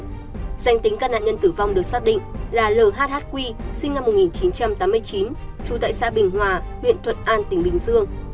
danh tính các nạn nhân tử vong được xác định là lhq sinh năm một nghìn chín trăm tám mươi chín trú tại xã bình hòa huyện thuận an tỉnh bình dương